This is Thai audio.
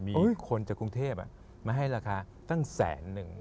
มีคนจากกรุงเทพมาให้ราคาตั้งแสนหนึ่ง